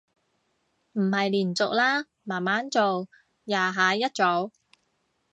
唔係連續啦，慢慢做，廿下一組